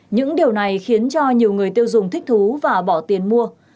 những điều này khiến cho nhiều người tiêu dùng thích thú và bỏ tiền mua